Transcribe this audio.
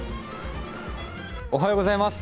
おはようございます。